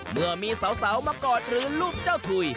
เมื่อมีสาวมากอดหรือรูปเจ้าถุย